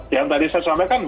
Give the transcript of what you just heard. yang tadi saya sampaikan